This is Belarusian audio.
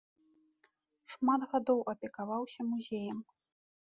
Шмат гадоў апекаваўся музеем.